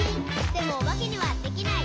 「でもおばけにはできない」